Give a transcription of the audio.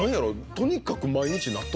とにかく。